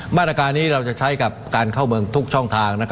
มาตรการนี้เราจะใช้กับการเข้าเมืองทุกช่องทาง